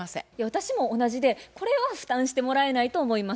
私も同じでこれは負担してもらえないと思います。